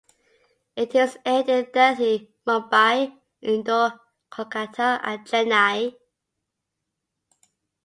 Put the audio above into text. It is aired in Delhi, Mumbai, Indore, Kolkata, and Chennai.